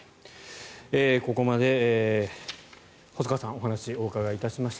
ここまで細川さんお話をお伺いしました。